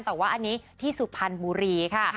แต่ว่าอันนี้ที่สุพรรณบุรีค่ะ